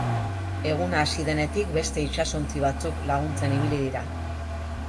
Eguna hasi denetik beste itsasontzi batzuk laguntzen ibili dira.